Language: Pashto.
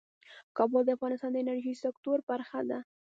کابل د افغانستان د انرژۍ سکتور برخه ده.